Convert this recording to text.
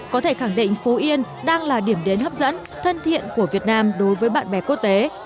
có thể khẳng định phú yên đang là điểm đến hấp dẫn thân thiện của việt nam đối với bạn bè quốc tế